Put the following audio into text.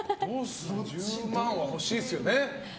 １０万は欲しいですよね。